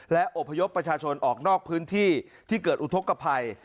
และอบพยพประชาชนออกนอกพื้นที่ที่เกิดอุทธกภัย